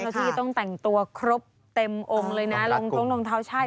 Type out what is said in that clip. เพราะที่จะต้องแต่งตัวครบเต็มองก์เลยนะหลวงท้องหลงเท้าใช่